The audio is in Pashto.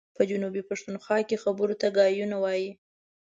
په جنوبي پښتونخوا کي خبرو ته ګايونه وايي.